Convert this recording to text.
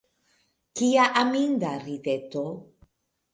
Kia aminda rideto!